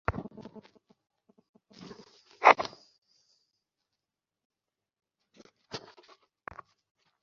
প্রথম শ্রেণির কর্মকর্তা বরখাস্ত হলেও বিচার চলার সময় বিশেষ সুবিধা পান।